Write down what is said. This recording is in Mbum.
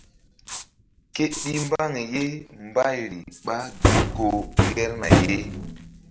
Ke ɗi mbaŋ ye mbayri ɓá gi ko ŋgerna ye.